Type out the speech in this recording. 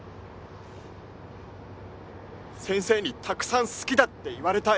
先生にたくさん好きだって言われたい。